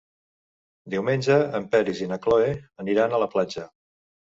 Diumenge en Peris i na Cloè aniran a la platja.